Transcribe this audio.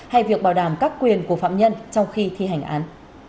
hay việc bảo đảm các quyền của phạm nhân trong khi thi hành án